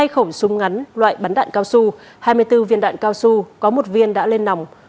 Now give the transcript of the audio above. hai khẩu súng ngắn loại bắn đạn cao su hai mươi bốn viên đạn cao su có một viên đã lên nòng